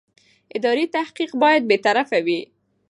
اداري تحقیق باید بېطرفه وي.